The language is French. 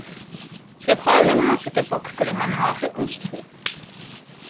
C'est probablement à cette époque que le manoir est construit.